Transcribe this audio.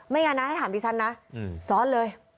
อย่างนั้นนะถ้าถามดิฉันนะซ้อนเลย